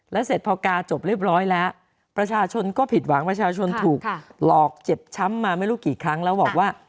แล้วเสร็จพอกาจบเรียบร้อยแล้วประชาชนก็ผิดหวังประชาชนถูกหลอกเจ็บช้ำมาไม่รู้กี่ครั้งแล้วบอกว่า